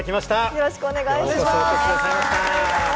よろしくお願いします。